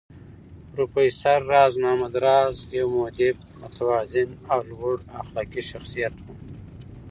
پروفېسر راز محمد راز يو مودب، متوازن او لوړ اخلاقي شخصيت و